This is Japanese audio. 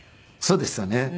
そうですよね。